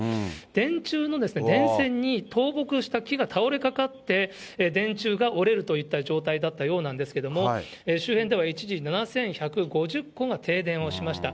電柱の電線に倒木した木が倒れかかって、電柱が折れるといった状態だったようなんですけれども、周辺では、一時、７５００戸が停電をしました。